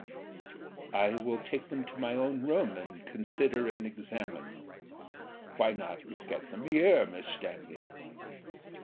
"I will take them to my own room, and consider and examine." "Why not look at them here, Miss Stanley?"